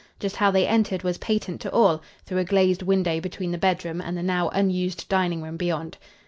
Just how they entered was patent to all through a glazed window between the bed room and the now unused dining room beyond.